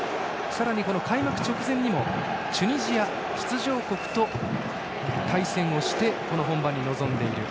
さらに開幕直前にもチュニジア、出場国と対戦をして本番に臨んでいる。